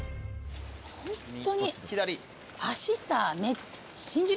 ホントに。